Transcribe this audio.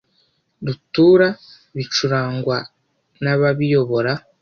rutura bicurangwa n ababiyobora